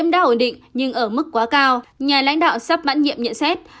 đã ổn định nhưng ở mức quá cao nhà lãnh đạo sắp mãn nhiệm nhận xét